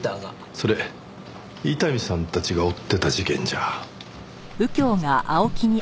それ伊丹さんたちが追ってた事件じゃ。